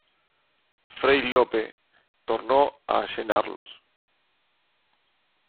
fray Lope tornó a llenarlos: